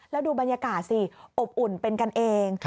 แล้วดูบรรยากาศสิอบอุ่นเป็นกันเอง